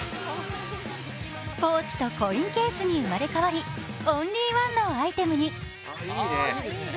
ポーチとコインケースに生まれ変わり、オンリーワンのアイテムに。